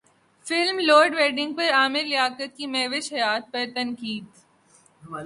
film Load Wedding پر عامر لیاقت کی مہوش حیات پر تنقید